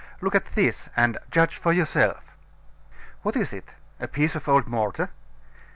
Look at this, and judge for yourself. What is it? a piece of old mortar?